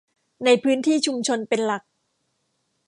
ในพื้นที่ชุมชนเป็นหลัก